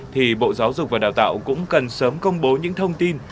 thì bộ giáo dục và đào tạo cũng cần sớm công bố những thông tin